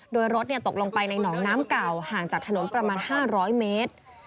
โดยรถตกลงไปในหนองน้ำเก่าห่างจากถนนประมาณ๕๐๐เมตร